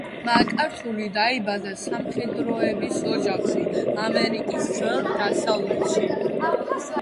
მაკართური დაიბადა სამხედროების ოჯახში, ამერიკის ძველ დასავლეთში.